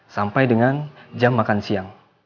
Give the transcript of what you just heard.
sampai dengan jam makan siang